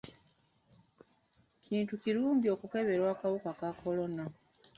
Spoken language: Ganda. Kintu kirungi okukeberwa akawuka ka kolona.